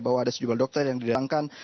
bahwa ada sejumlah dokter yang dihilangkan